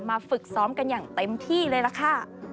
ฝึกซ้อมกันอย่างเต็มที่เลยล่ะค่ะ